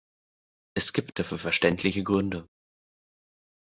Es gibt dafür verständliche Gründe.